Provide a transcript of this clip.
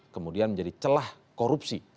kemudian menjadi celah korupsi